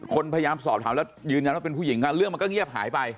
พยายามสอบถามแล้วยืนยันว่าเป็นผู้หญิงเรื่องมันก็เงียบหายไป